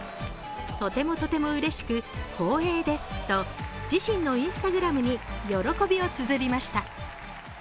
とてもとてもうれしく光栄ですと自身のＩｎｓｔａｇｒａｍに喜びをつづりました。